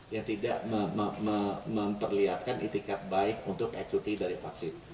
yang tidak memperlihatkan itikat baik untuk equity dari vaksin